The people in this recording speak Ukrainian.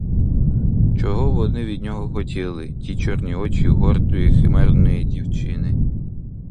Чого вони від нього хотіли, ті чорні очі гордої, химерної дівчини?